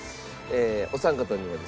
お三方にはですね